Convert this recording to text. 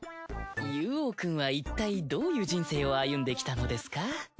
ユウオウくんはいったいどういう人生を歩んできたのですか？